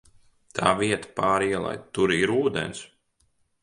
Tā vieta pāri ielai, tur ir ūdens?